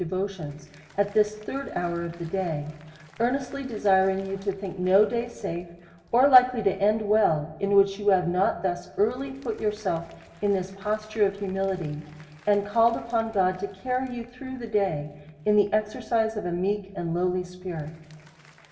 209 devotions^ at this third hour of the day : earnestly de siring you to think no day safe, or likely to end well, in which you have not thus early put youi'self in this posture ot humility, and called upon God to carry you through the day in the exercise of a meek and lowly spirit.